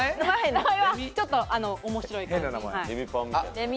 名前は、ちょっと面白い感じ。